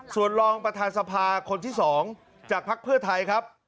ส่วนรองประธานสภาคนที่๒จากภักดิ์เพื่อไทยครับ